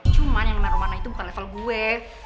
cuman yang namanya rumana itu bukan level gue